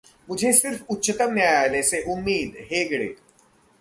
मुझे सिर्फ उच्चतम न्यायालय से उम्मीद: हेगड़े